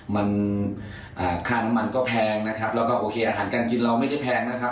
มันค่าน้ำมันก็แพงนะครับแล้วก็โอเคอาหารการกินเราไม่ได้แพงนะครับ